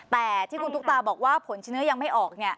แต่ที่คุณตุ๊กตาบอกว่าผลชนะยังไม่ออก